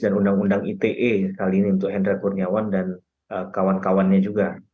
dan undang undang ite kali ini untuk hendra kurniawan dan kawan kawannya juga